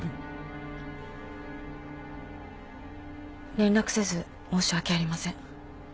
連絡せず申し訳ありません。